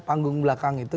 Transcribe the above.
panggung belakang itu